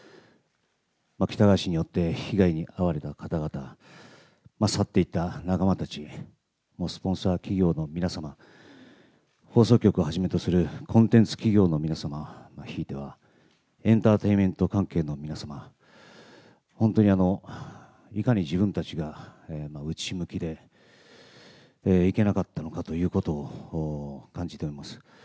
喜多川氏によって被害に遭われた方々、去っていった仲間たち、スポンサー企業の皆様、放送局をはじめとするコンテンツ企業の皆様、ひいては、エンターテインメント関係の皆様、本当に、いかに自分たちが内向きでいけなかったのかということを、感じております。